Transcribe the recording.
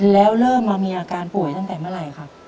แล้วเริ่มมามีอาการป่วยตั้งแต่เมื่อไหร่ครับ